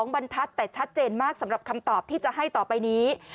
บรรทัศน์แต่ชัดเจนมากสำหรับคำตอบที่จะให้ต่อไปนี้